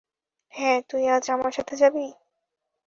হ্যাঁ, তুই আজ আমার সাথে যাবি?